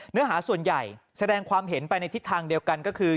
เนื้อหาส่วนใหญ่แสดงความเห็นไปในทิศทางเดียวกันก็คือ